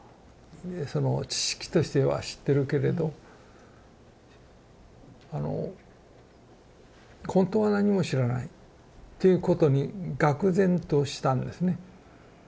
その知識としては知ってるけれどほんとは何も知らないっていうことにがく然としたんですね。